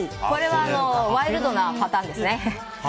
これはワイルドなパターンですね。